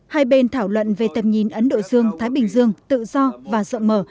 hai bên thảo luận về tầm nhìn ấn độ xương thái bình dương tự do và sợ mờ